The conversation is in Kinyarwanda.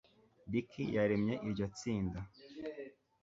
dick yaremye iryo tsinda